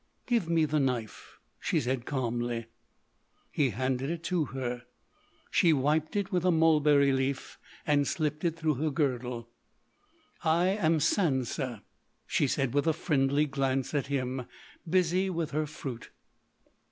"Give me the knife," she said calmly. He handed it to her; she wiped it with a mulberry leaf and slipped it through her girdle. "I am Sansa," she said with a friendly glance at him, busy with her fruit.